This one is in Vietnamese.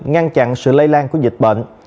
ngăn chặn sự lây lan của dịch bệnh